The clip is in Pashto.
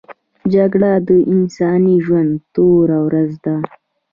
جګړه د انساني ژوند توره ورځ ده